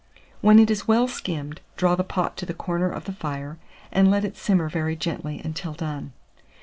When it is well skimmed, draw the pot to the corner of the fire, and let it simmer very gently until done.